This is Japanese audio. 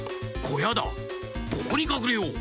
ここにかくれよう。